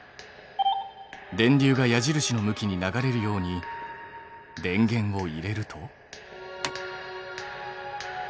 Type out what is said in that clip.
電流が矢印の向きに流れるように電源を入れると。